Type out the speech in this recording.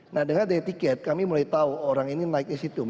nah dengan e ticket kami mulai tahu orang ini naiknya disitu